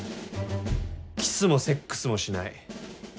キスもセックスもしない。